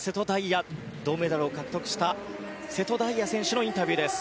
銅メダルを獲得した瀬戸大也選手のインタビューです。